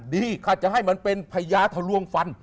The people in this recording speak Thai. ข้าจะให้มันเป็นพญาทะลวงฟัน